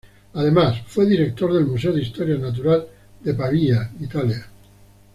Además, fue director del Museo de historia natural de Pavía, Italia.